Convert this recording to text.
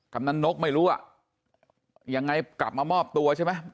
กำลังนกไม่รู้อ่ะยังไงกลับมามอบตัวใช่ไหม